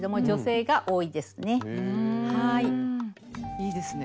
いいですね。